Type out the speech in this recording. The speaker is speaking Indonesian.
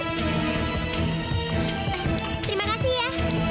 terima kasih ya